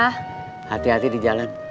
hati hati di jalan